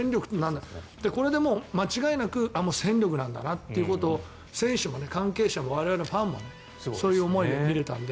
これで間違いなく戦略なんだなということも選手も関係者も我々ファンもそういう思いで見れたので。